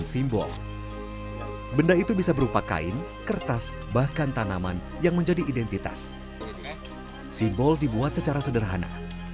simbol dibuat secara sederhana